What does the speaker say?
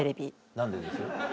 何でです？